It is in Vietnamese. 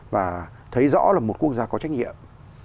và thấy rõ là một quốc gia có trách nhiệm